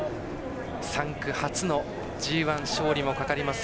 産駒初のＧＩ勝利もかかります。